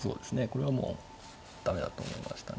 これはもう駄目だと思いました。